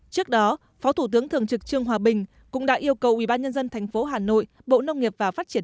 trước đó phó thủ tướng thường trực trương hòa bình cũng đã yêu cầu ubnd tp hà nội bộ nông nghiệp và phát triển